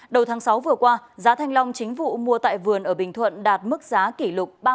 đầu tháng sáu vừa qua giá thanh long chính vụ mua tại vườn ở bình thuận đạt mức giá kỷ lục ba mươi